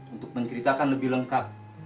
untuk menceritakan lebih lengkap